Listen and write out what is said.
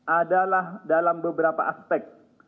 adalah dalam beberapa aspek